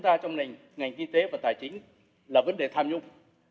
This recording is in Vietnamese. một trong những vấn đề của chúng ta trong ngành kinh tế và tài chính là vấn đề tham nhũng